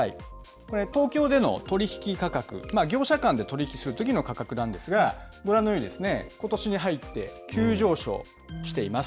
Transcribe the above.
これ、東京での取り引き価格、業者間で取り引きするときの価格なんですが、ご覧のようにことしに入って急上昇しています。